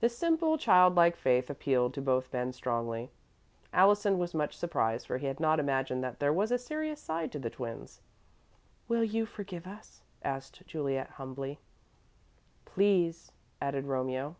The simple, child like faith appealed to both men strongly. Allison was much surprised, for he had not imagined that there was a serious side to the twins. "Will you forgive us?" asked Juliet, humbly. "Please," added Romeo.